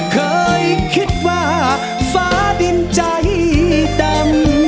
เคยคิดว่าฟ้าดินใจดำ